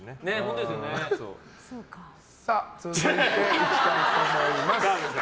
さあ続いていきたいと思います。